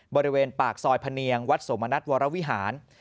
บริเวณปากซอยพะเนียงวัดสมณัฐวรวิหาร